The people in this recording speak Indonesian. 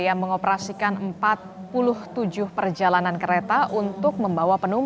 yang mengoperasikan empat puluh tujuh perjalanan kereta untuk membawa penumpang